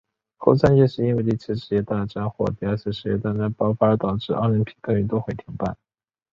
后三届是因为第一次世界大战或者第二次世界大战爆发而导致奥林匹克运动会停办。